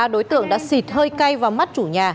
ba đối tượng đã xịt hơi cay vào mắt chủ nhà